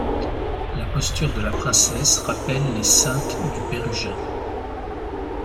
La posture de la princesse rappelle les saintes du Pérugin.